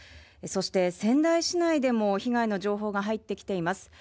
そして仙台市内でも被害の情報が入ってきています。